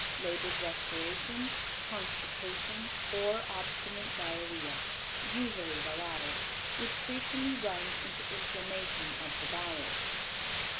Labored respiration, constipation or obstinate diarrhoea, usually the latter, which frequently runs into inflammation of the bowels.